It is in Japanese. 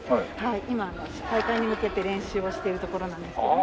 今大会に向けて練習をしているところなんですけども。